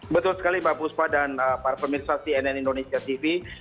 betul sekali mbak puspa dan para pemirsa cnn indonesia tv